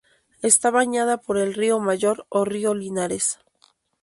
Está bañada por el río Mayor o río Linares.